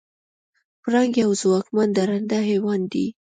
پړانګ یو ځواکمن درنده حیوان دی.